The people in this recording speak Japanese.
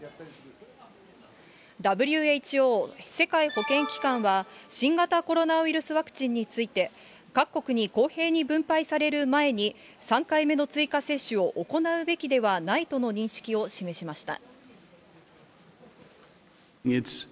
ＷＨＯ・世界保健機関は、新型コロナウイルスワクチンについて、各国に公平に分配される前に３回目の追加接種を行うべきではないとの認識を示しました。